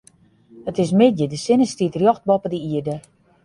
It is middei, de sinne stiet rjocht boppe de ierde.